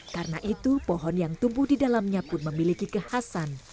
karena itu pohon yang tumbuh di dalamnya pun memiliki kekhasan